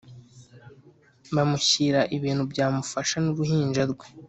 bamushyira ibintu byamufasha n‘uruhinja rwe